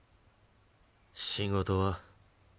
仕事は？